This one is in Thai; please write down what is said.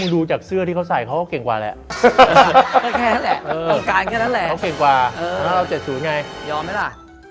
ดูจากเสื้อที่เค้าใส่เขาก็เก่งกว่าแหละ